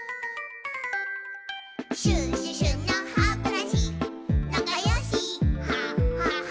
「シュシュシュのハブラシなかよしハハハ」